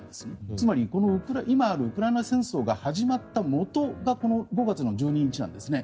つまり今あるウクライナ戦争が始まったもとがこの５月１２日なんですね。